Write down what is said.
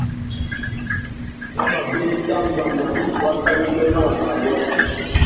Wa mà bēta mbama indi wa fá winô nà wabari abú nguru.